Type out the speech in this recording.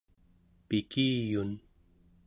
pikiyun